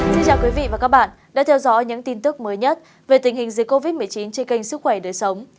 chào các bạn đã theo dõi những tin tức mới nhất về tình hình dịch covid một mươi chín trên kênh sức khỏe đời sống